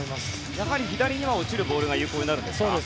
やはり左には落ちるボールが有効になりますか。